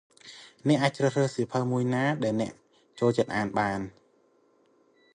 អ្នកអាចជ្រើសរើសសៀវភៅមួយណាដែលអ្នកចូលចិត្តបាន។